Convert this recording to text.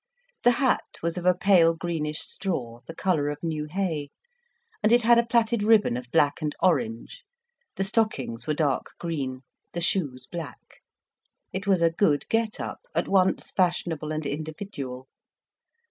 The hat was of a pale, greenish straw, the colour of new hay, and it had a plaited ribbon of black and orange, the stockings were dark green, the shoes black. It was a good get up, at once fashionable and individual.